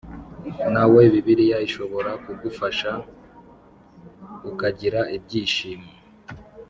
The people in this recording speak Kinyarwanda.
Nawe Bibiliya ishobora kugufasha ukagira ibyishimo